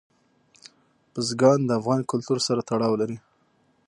بزګان د افغان کلتور سره تړاو لري.